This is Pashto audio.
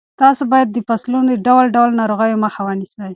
تاسو باید د فصلونو د ډول ډول ناروغیو مخه ونیسئ.